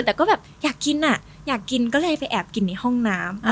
แต่ก็อยากกินอะก็เลยไปแอบกินในห้องน้ำ